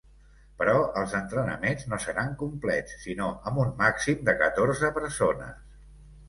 Però els entrenaments no seran complets, sinó amb un màxim de catorze persones.